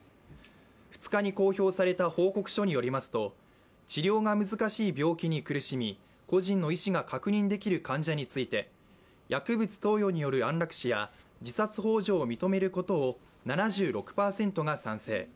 ２日に公表された報告書によりますと治療が難しい病気に苦しみ個人の意思が確認できる患者について薬物投与による安楽死や自殺ほう助を認めることを７６％が賛成。